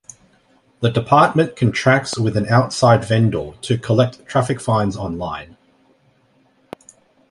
The department contracts with an outside vendor to collect traffic fines online.